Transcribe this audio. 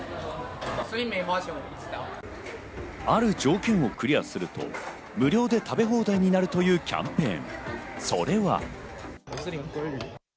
ある条件をクリアすると無料で食べ放題になるというキャンペーン。